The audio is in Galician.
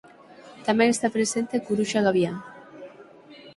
Tamén está presente a curuxa gabián.